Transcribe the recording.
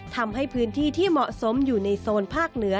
ทำให้พื้นที่ที่เหมาะสมอยู่ในโซนภาคเหนือ